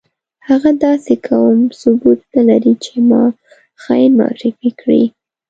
هغه داسې کوم ثبوت نه لري چې ما خاين معرفي کړي.